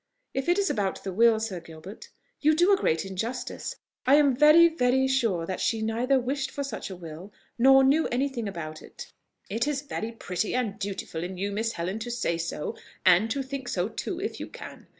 If it is about the will, Sir Gilbert, you do her great injustice: I am very, very sure that she neither wished for such a will, nor knew any thing about it." "It is very pretty and dutiful in you, Miss Helen, to say so, and to think so too if you can.